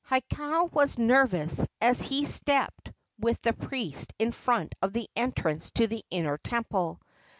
Hakau was nervous as he stepped with the priest in front of the entrance to the inner temple.